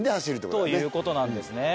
ということなんですね。